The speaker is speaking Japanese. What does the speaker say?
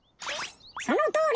そのとおり！